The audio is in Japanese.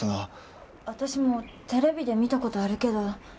私もテレビで見たことあるけど。